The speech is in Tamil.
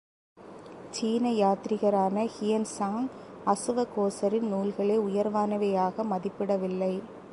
சீனயாத்திரிகரான ஹியன் சாங் அசுவகோசரின் நூல்களை உயர்வானவையாக மதிப்பிடவில்லை.